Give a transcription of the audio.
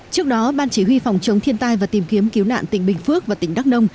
trước đó ban chỉ huy phòng chống thiên tai và tìm kiếm cứu nạn tỉnh bình phước và tỉnh đắk nông